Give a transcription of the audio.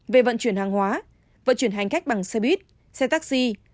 về vận chuyển hàng hóa vận chuyển hành khách bằng xe buýt xe taxi